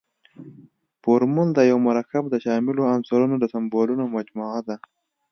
فورمول د یوه مرکب د شاملو عنصرونو د سمبولونو مجموعه ده.